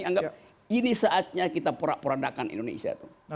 anggap ini saatnya kita peradakan indonesia